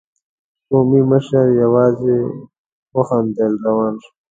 قومي مشر يواځې وخندل، روان شو.